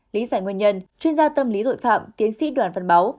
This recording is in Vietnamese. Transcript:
lý giải nguyên nhân chuyên gia tâm lý tội phạm tiến sĩ đoàn văn báu